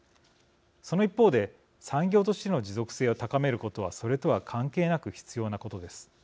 その一方で産業としての持続性を高めることはそれとは関係なく必要なことです。